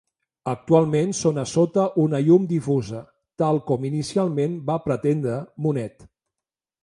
Actualment són a sota una llum difusa tal com inicialment va pretendre Monet.